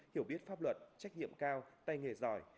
hiểu biết pháp luật trách nhiệm cao tay nghề giỏi